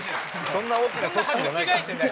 そんな大きな組織じゃない。